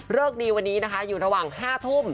ดีวันนี้นะคะอยู่ระหว่าง๕ทุ่ม